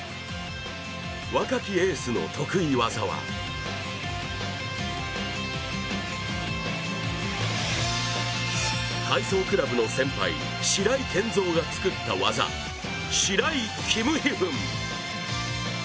若きエースの得意技は体操クラブの先輩・白井健三が作った技、シライ／キムヒフン。